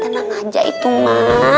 tenang aja itu mah